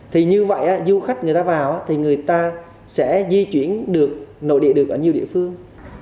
thì như vậy du khách người ta vào thì người ta sẽ di chuyển được nội địa được ở nhiều địa phương